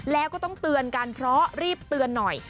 แล้วก็ต้องเตือนกันเพราะรีบเตือนหน่อย